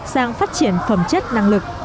sang phát triển phẩm chất năng lực